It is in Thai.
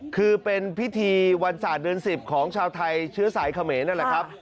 คือเป็นพิธีวันศาสตร์เดือน๑๐ของชาวไทยเชื้อสายเขมรนั่นแหละครับ